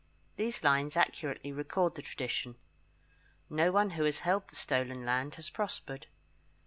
These lines accurately record the tradition. No one who has held the stolen land has prospered.